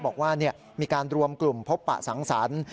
บอกว่ามีการรวมกลุ่มพบปะสังสรรค์